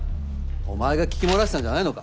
お前が聞き漏らしたんじゃないのか？